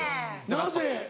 なぜ。